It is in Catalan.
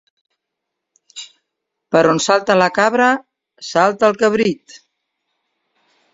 Per on salta la cabra, salta el cabrit.